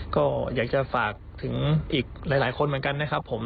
ก็อยากจะฝากถึงอีกหลายคนเหมือนกันนะครับผม